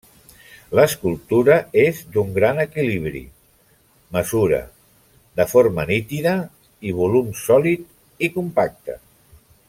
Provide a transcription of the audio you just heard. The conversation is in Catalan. L'escultura és d'un gran equilibri, mesura, de forma nítida i volum sòlid i compacte.